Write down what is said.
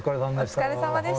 お疲れさまでした。